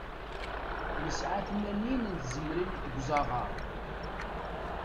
Nesɛa tmanyin n tzemrin deg uzaɣar.